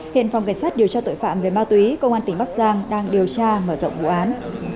hiện phòng cảnh sát điều tra tội phạm về ma túy công an tỉnh bắc giang đang điều tra mở rộng vụ án